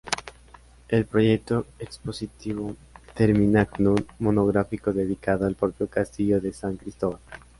El proyecto expositivo termina con un monográfico dedicado al propio Castillo de San Cristóbal.